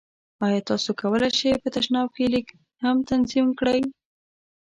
ایا تاسو کولی شئ په تشناب کې لیک هم تنظیم کړئ؟